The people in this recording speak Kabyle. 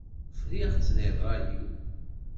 Friɣ-tt di ṛṛay-iw.